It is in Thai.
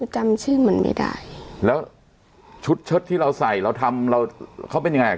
จำชื่อมันไม่ได้แล้วชุดเชิดที่เราใส่เราทำเราเขาเป็นยังไงอ่ะ